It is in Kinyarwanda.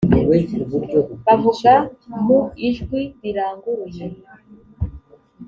bavuga mu ijwi riranguruye